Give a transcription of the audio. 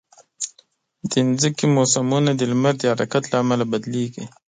د مځکې موسمونه د لمر د حرکت له امله بدلېږي.